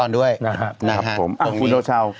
นะฮะขอบคุณครัวเช้า